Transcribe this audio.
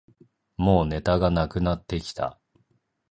もうネタがなくなってきた